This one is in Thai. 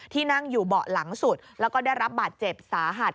นั่งอยู่เบาะหลังสุดแล้วก็ได้รับบาดเจ็บสาหัส